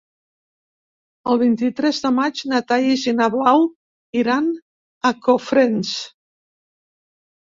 El vint-i-tres de maig na Thaís i na Blau iran a Cofrents.